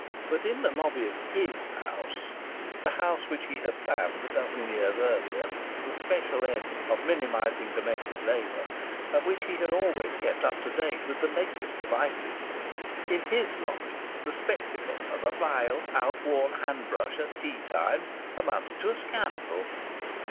But in the lobby of his house the house which he had planned a dozen years earlier, to the special end of minimizing domestic labour, and which he had always kept up to date with the latest devices in his lobby the spectacle of a vile, outworn hand brush at tea time amounted to a scandal.